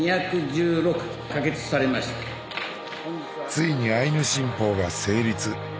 ついにアイヌ新法が成立。